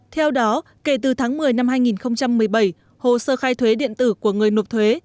theo đó kể từ tháng một mươi năm hai nghìn một mươi bảy hồ sơ khai thuế điện tử của người nộp thuế